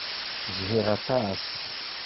Zhiɣ aṭas.